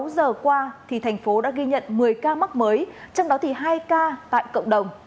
sáu giờ qua thì thành phố đã ghi nhận một mươi ca mắc mới trong đó thì hai ca tại cộng đồng